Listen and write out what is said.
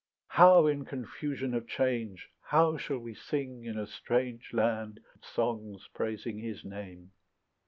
How, in confusion of change, How shall we sing, in a strange Land, songs praising his name?